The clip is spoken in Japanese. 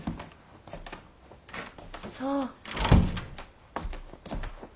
そう。